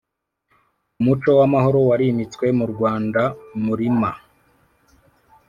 Umuco w’amahoro warimitswe mu Rwandamurima